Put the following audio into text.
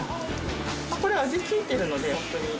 これ味ついてるのでホントに。